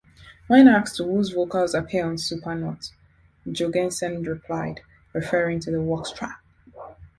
When asked whose vocals appear on "Supernaut," Jourgensen replied, referring to the WaxTrax!